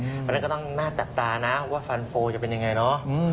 เพราะฉะนั้นก็ต้องน่าจับตานะว่าฟันโฟลจะเป็นยังไงเนาะ